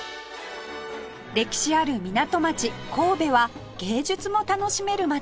歴史ある港町神戸は芸術も楽しめる街です